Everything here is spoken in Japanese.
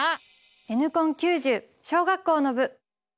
「Ｎコン９０」小学校の部！